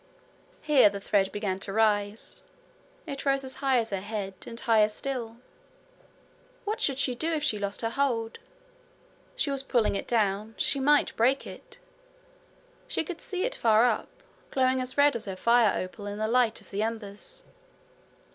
Here the thread began to rise. It rose as high as her head and higher still. What should she do if she lost her hold? She was pulling it down: She might break it! She could see it far up, glowing as red as her fire opal in the light of the embers.